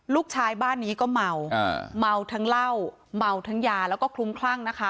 ลูกชายบ้านนี้ก็เมาเมาทั้งเหล้าเมาทั้งยาแล้วก็คลุ้มคลั่งนะคะ